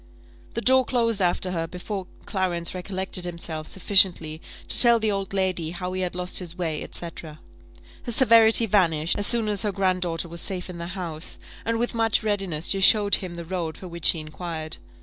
The door closed after her before Clarence recollected himself sufficiently to tell the old lady how he had lost his way, &c. Her severity vanished, as soon as her grand daughter was safe in the house, and with much readiness she showed him the road for which he inquired.